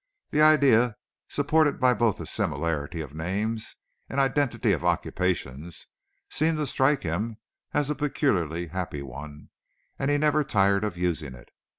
The idea, supported by both a similarity of names and identity of occupations, seemed to strike him as a peculiarly happy one, and he never tired of using it.